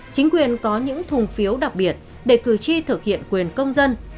chính quyền có những thùng phiếu đặc biệt để cử tri thực hiện quyền công dân